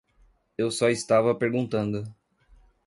Eu só estava perguntando.